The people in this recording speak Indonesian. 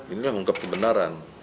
inilah mengungkap kebenaran